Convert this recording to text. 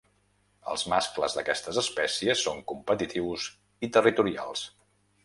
Els mascles d'aquestes espècies són competitius i territorials.